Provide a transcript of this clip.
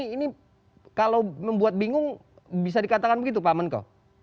ini kalau membuat bingung bisa dikatakan begitu pak menko